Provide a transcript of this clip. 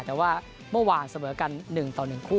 แต่ว่าเมื่อวานเสมอกัน๑ต่อ๑คู่